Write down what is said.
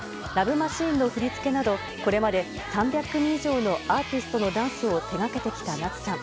マシーン」の振り付けなどこれまで３００組以上のアーティストのダンスを手掛けてきた夏さん。